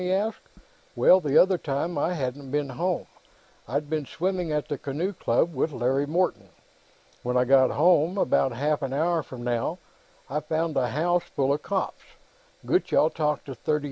he asked. "Well, the other time, I hadn't been home: I'd been swimming at the Canoe Club, with Larry Morton. When I got home, about half an hour from now, I found the house full of cops. Gutchall talked the .